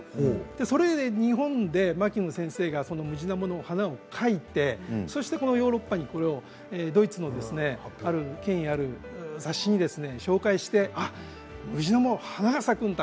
それを日本で牧野先生がムジナモの花を描いてヨーロッパに、ドイツのある権威ある雑誌に紹介してムジナモは花が咲くんだ